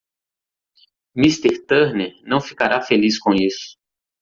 Mister Turner não ficará feliz com isso.